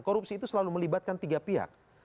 korupsi itu selalu melibatkan tiga pihak